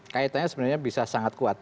kaitannya sebenarnya bisa sangat kuat